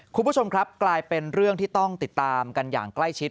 คุณผู้ชมครับกลายเป็นเรื่องที่ต้องติดตามกันอย่างใกล้ชิด